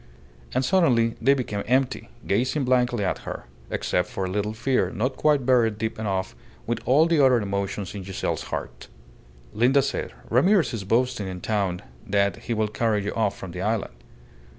And suddenly they became empty, gazing blankly at her, except for a little fear not quite buried deep enough with all the other emotions in Giselle's heart. Linda said, "Ramirez is boasting in town that he will carry you off from the island."